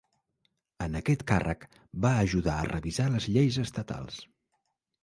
En aquest càrrec, va ajudar a revisar les lleis estatals.